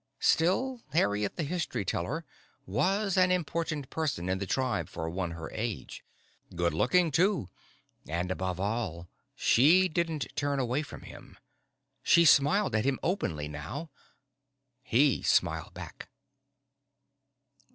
Still, Harriet the History Teller was an important person in the tribe for one her age. Good looking too. And, above all, she didn't turn away from him. She smiled at him, openly now. He smiled back.